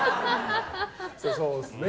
そうですね。